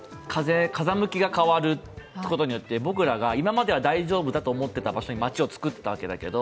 風向きが変わることによって、僕らが今まで大丈夫だと思っていた場所に街を作ったけど